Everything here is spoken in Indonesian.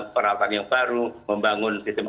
peralatan yang baru membangun sistem